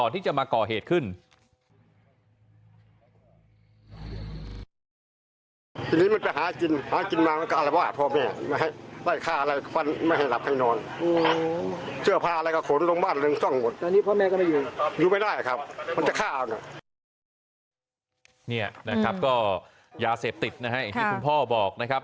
ที่คุณพ่อบอกนะครับ